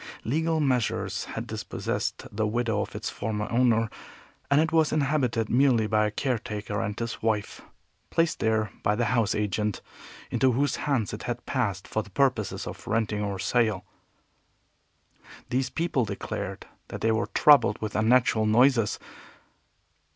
Legal measures had dispossessed the widow of its former owner, and it was inhabited merely by a caretaker and his wife, placed there by the house agent into whose hands it had passed for the purposes of renting or sale. These people declared that they were troubled with unnatural noises.